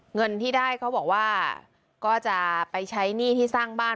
เงินที่ได้เขาบอกว่าก็จะไปใช้หนี้ที่สร้างบ้าน